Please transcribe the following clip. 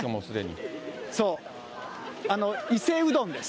伊勢うどんです。